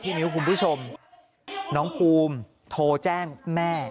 มิ้วคุณผู้ชมน้องภูมิโทรแจ้งแม่